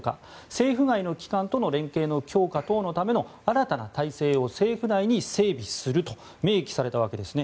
政府外の機関との連携の強化等のための新たな体制を政府内に整備すると明記されたわけですね。